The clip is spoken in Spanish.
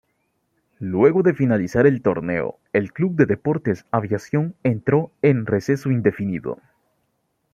Luego de finalizar el torneo, el club de Deportes Aviación entró en receso indefinido.